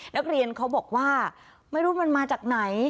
นักเรียนเขาบอกว่าไม่รู้มันมาจากไหน